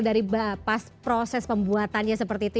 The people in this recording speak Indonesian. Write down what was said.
dari pas proses pembuatannya seperti itu